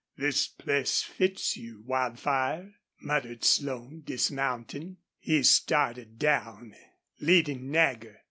"This place fits you, Wildfire," muttered Slone, dismounting. He started down, leading Nagger.